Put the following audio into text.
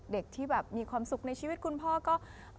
เด็กที่แบบมีความสุขในชีวิตคุณพ่อก็